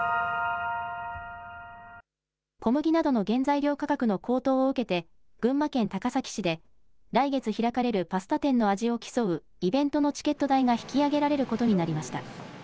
小麦などの原材料価格の高騰を受けて、群馬県高崎市で、来月開かれるパスタ店の味を競うイベントのチケット代が引き上げられることになりました。